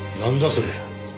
それ。